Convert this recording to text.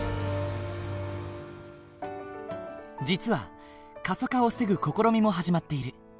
実は過疎化を防ぐ試みも始まっている。